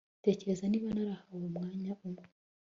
tekereza niba narahawe umwanya umwe